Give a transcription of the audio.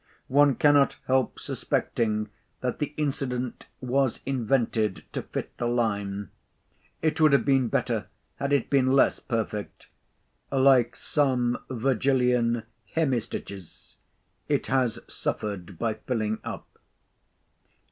One cannot help suspecting that the incident was invented to fit the line. It would have been better had it been less perfect. Like some Virgilian hemistichs, it has suffered by filling up.